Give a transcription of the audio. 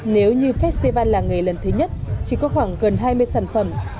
nếu như festival làng nghề lần thứ nhất chỉ có khoảng gần hai mươi sản phẩm